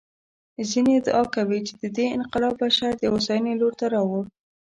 ځینې ادعا کوي چې دې انقلاب بشر د هوساینې لور ته راوړ.